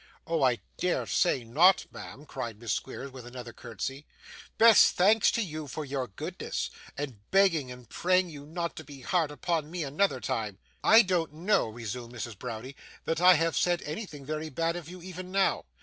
'Oh, I dare say not, ma'am!' cried Miss Squeers, with another curtsy. 'Best thanks to you for your goodness, and begging and praying you not to be hard upon me another time!' 'I don't know,' resumed Mrs. Browdie, 'that I have said anything very bad of you, even now.